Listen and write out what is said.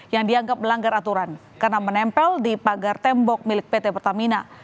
yang dianggap melanggar aturan karena menempel di pagar tembok milik pt pertamina